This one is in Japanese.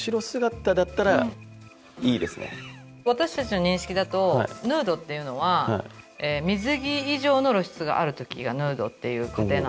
私たちの認識だとヌードっていうのは水着以上の露出がある時はヌードっていう仮定なんですね。